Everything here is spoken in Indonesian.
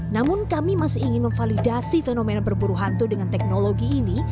namun kami masih ingin memvalidasi fenomena berburu hantu dengan teknologi ini